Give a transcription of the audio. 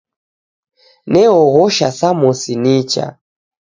Neoghosha samosi nicha